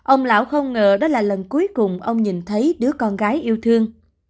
ông lão không ngờ đó là lần cuối cùng ông nhìn thấy đứa con gái yêu thương